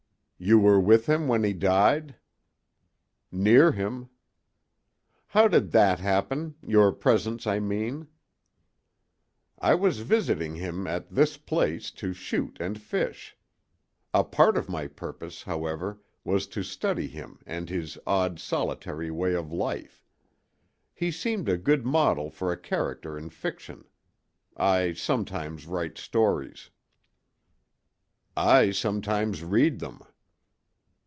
"You were with him when he died?" "Near him." "How did that happen—your presence, I mean?" "I was visiting him at this place to shoot and fish. A part of my purpose, however, was to study him and his odd, solitary way of life. He seemed a good model for a character in fiction. I sometimes write stories." "I sometimes read them."